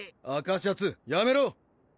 赤シャツやめろ！